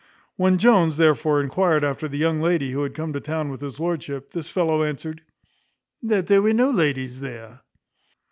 When Jones, therefore, enquired after the young lady who had come to town with his lordship, this fellow answered surlily, "That there were no ladies there."